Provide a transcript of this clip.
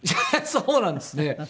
そうなんですね。